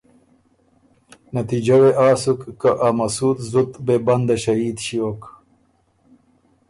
نتیجۀ وې آ سُک که ا مسُود زت بې بنده ݭهید ݭیوک